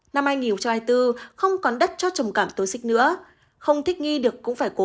nam anh hiểu cho hai tư không còn đất cho trầm cảm tối xích nữa không thích nghi được cũng phải cố